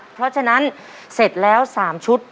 เพราะฉะนั้นเสร็จแล้ว๓ชุด